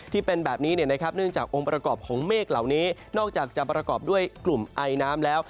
ที่เป็นแบบนี้เนื่องจากองค์ประกอบของเมฆเหล่านี้นอกจากจะประกอบด้วยกลุ่มไอน้ำแล้ว